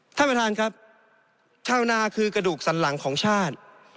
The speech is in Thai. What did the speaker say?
ท่านประธานครับชาวนาคือกระดูกสันหลังของชาติ